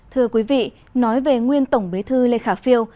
thưa quý vị nói về nguyên tổng bế thư lê khả phiêu